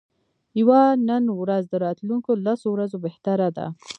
یوه نن ورځ د راتلونکو لسو ورځو بهتره ده.